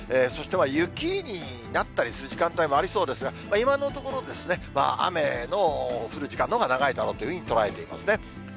そして雪になったりする時間帯もありそうですが、今のところ、雨の降る時間のほうが長いというふうに捉えていますね。